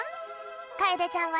かえでちゃんはね